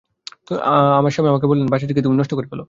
আমার স্বামী আমাকে বললেন, বাচ্চাটিকে তুমি নষ্ট করে ফেলো।